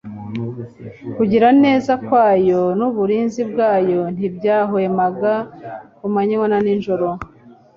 Kugira neza kwayo n'uburinzi bwayo ntibyahwemaga ku manywa na nijoro.